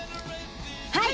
はい！